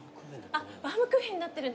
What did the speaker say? バウムクーヘンになってるんですね？